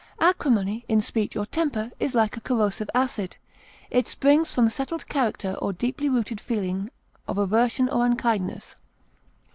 Acrimony in speech or temper is like a corrosive acid; it springs from settled character or deeply rooted feeling of aversion or unkindness.